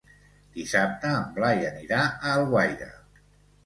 Dissabte en Blai anirà a Alguaire.